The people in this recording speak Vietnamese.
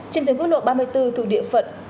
trên tuyến quốc lộ ba mươi bốn thuộc địa phận